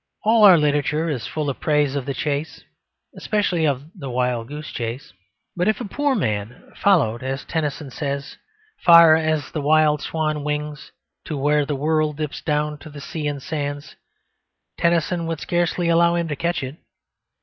All our literature is full of praise of the chase especially of the wild goose chase. But if a poor man followed, as Tennyson says, "far as the wild swan wings to where the world dips down to sea and sands," Tennyson would scarcely allow him to catch it.